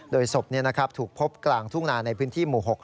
โดยศพถูกพบกลางทุ่งนาในพื้นที่หมู่๖